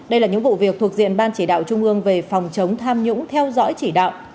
đây là những vụ việc thuộc diện ban chỉ đạo trung ương về phòng chống tham nhũng theo dõi chỉ đạo